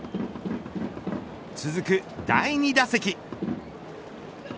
続く第２打席。